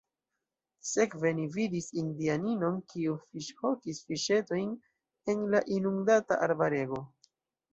Sekve ni vidis indianinon, kiu fiŝhokis fiŝetojn en la inundata arbarego.